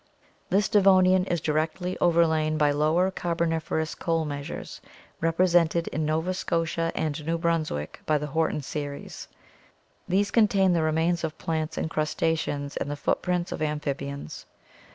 This Devonian is directly overlain by Lower Carboniferous Coal Measures, represented in Nova Scotia and New Brunswick by the Horton series. These contain the remains of plants and crustaceans and the footprints of amphibians.